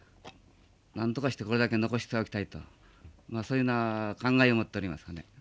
なんとかしてこれだけ残しておきたいとそういうふうな考えを持っておりますがね。